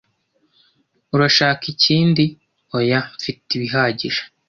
"Urashaka ikindi?" "Oya, mfite ibihagije."